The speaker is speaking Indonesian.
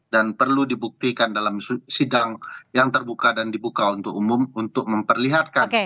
dan perlu dibuktikan dalam sidang yang terbuka dan dibuka untuk umum untuk memperlihatkan